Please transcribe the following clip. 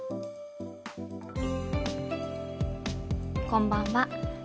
こんばんは。